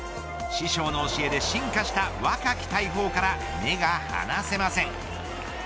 師匠の教えで進化した若き大砲から目が離せません。